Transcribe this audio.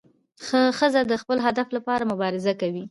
ښځه د خپل هدف لپاره مبارزه کوي.